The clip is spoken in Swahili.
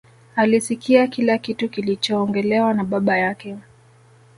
Alisikia kila kitu kilichoongelewa na baba yake